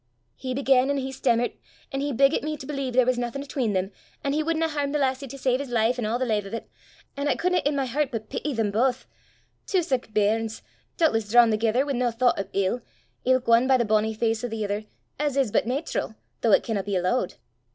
He began an' he stammert, an' he beggit me to believe there was naething 'atween them, an' he wudna harm the lassie to save his life, an' a' the lave o' 't, 'at I couldna i' my hert but pity them baith twa sic bairns, doobtless drawn thegither wi' nae thoucht o' ill, ilk ane by the bonnie face o' the ither, as is but nait'ral, though it canna be allooed!